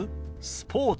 スポーツ。